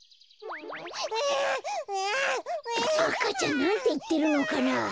赤ちゃんなんていってるのかな？